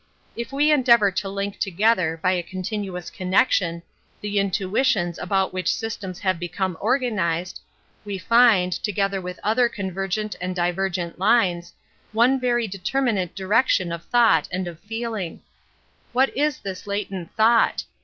If we endeavor to link together, by a continuous connection, the intuitions about which systems have become organized, we find, together with other convergent and divergent lines, one very determinate direction of thought and of feeling. What is this latent thought?